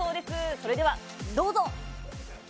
それではどうぞ。